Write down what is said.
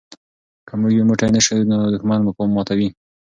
که موږ یو موټی نه شو نو دښمن مو ماتوي.